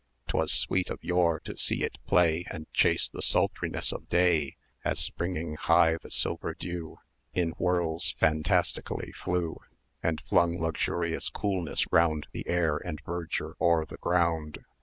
'Twas sweet of yore to see it play And chase the sultriness of day, 300 As springing high the silver dew[de] In whirls fantastically flew, And flung luxurious coolness round The air, and verdure o'er the ground.